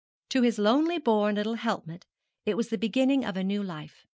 To his lowly born little helpmeet it was the beginning of a new life.